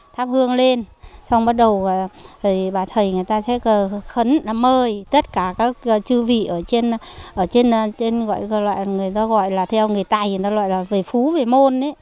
thắp hương lên xong bắt đầu bà thầy người ta sẽ khấn mời tất cả các chư vị ở trên người ta gọi là theo người tài người ta gọi là về phú về môn ấy